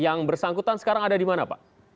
yang bersangkutan sekarang ada di mana pak